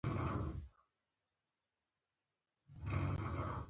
په یو بل شکل انځور جوړوي.